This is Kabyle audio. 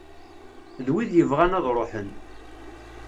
D wid yebɣan ad ruḥen.